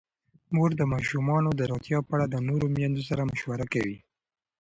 مور د ماشومانو د روغتیا په اړه د نورو میندو سره مشوره کوي.